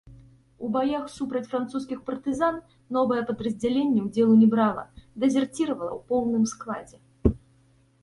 У баях супраць французскіх партызан новае падраздзяленне ўдзелу не брала, дэзерціравала ў поўным складзе.